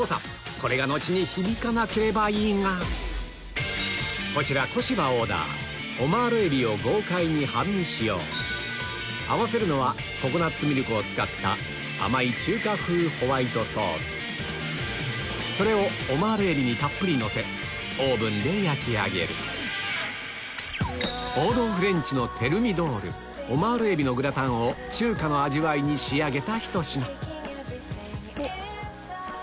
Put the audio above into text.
これが後に響かなければいいがこちら小芝オーダーオマール海老を豪快に半身使用合わせるのはココナツミルクを使った甘いそれをオマール海老にたっぷりのせオーブンで焼き上げる王道フレンチのテルミドールオマール海老のグラタンを中華の味わいに仕上げたひと品ほっ。